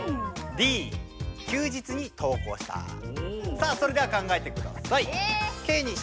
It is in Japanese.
さあそれでは考えてください！